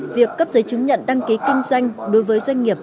việc cấp giấy chứng nhận đăng ký kinh doanh đối với doanh nghiệp